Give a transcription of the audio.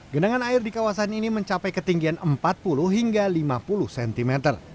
genangan air di kawasan ini mencapai ketinggian empat puluh hingga lima puluh cm